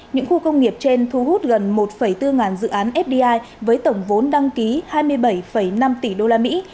những khu công nghiệp trên thu hút gần một bốn dự án fdi với tổng vốn đăng ký hai mươi bảy năm tỷ đô la mỹ